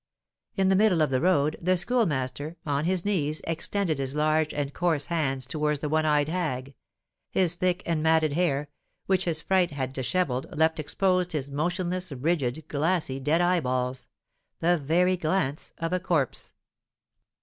In the middle of the road the Schoolmaster, on his knees, extended his large and coarse hands towards the one eyed hag; his thick and matted hair, which his fright had dishevelled, left exposed his motionless, rigid, glassy, dead eyeballs the very glance of a corpse.